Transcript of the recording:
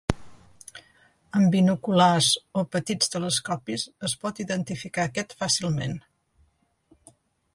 Amb binoculars o petits telescopis es pot identificar aquest fàcilment.